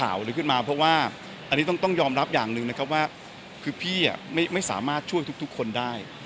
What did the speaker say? อันนี้ต้องยอมรับอย่างหนึ่งนะครับว่าคือพี่ไม่สามารถช่วยทุกคนได้